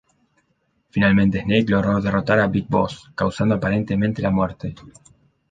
Finalmente Snake logró derrotar a Big Boss, causando aparentemente la muerte.